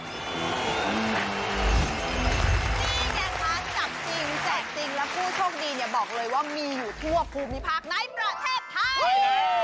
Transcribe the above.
นี่ค่ะจากจริงจากจริงรับผู้โชคดีอย่าบอกเลยว่ามีอยู่ทั่วภูมิพรรคไนท์ประเทศไทย